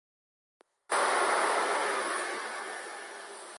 Se comenzó a plantear la construcción de un circuito de velocidad permanente.